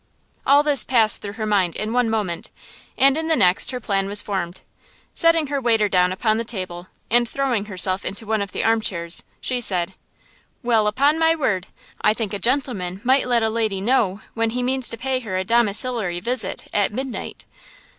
All this passed through her mind in one moment, and in the next her plan was formed. Setting her waiter down upon the table and throwing herself into one of the armchairs; she said: "Well, upon my word! I think a gentleman might let a lady know when he means to pay her a domiciliary visit at midnight!"